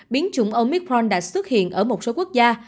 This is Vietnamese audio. biến chủng omitron đã xuất hiện ở một số quốc gia